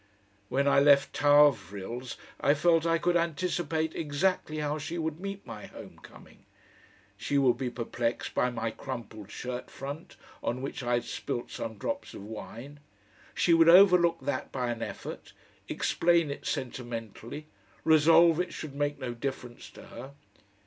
When I left Tarvrille's, I felt I could anticipate exactly how she would meet my homecoming. She would be perplexed by my crumpled shirt front, on which I had spilt some drops of wine; she would overlook that by an effort, explain it sentimentally, resolve it should make no difference to her.